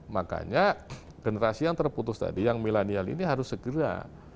makanya generasi yang terputus tadi yang milenial ini harus segera